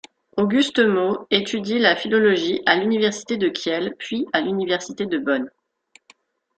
August Mau étudie la philologie à l'université de Kiel puis à l'université de Bonn.